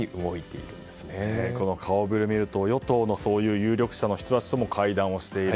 この顔触れを見ると与党のそういう有力者の人たちとも会談をしている。